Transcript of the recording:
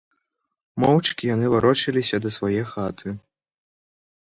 Моўчкі яны варочаліся да свае хаты.